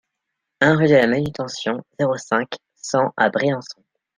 un rue de la Manutention, zéro cinq, cent à Briançon